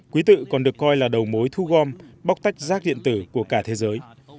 quý tự còn được coi là đầu mối thu gom bóc tách rác điện tử của cả thế giới